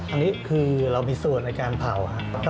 อันนี้คือเรามีส่วนในการเผาครับ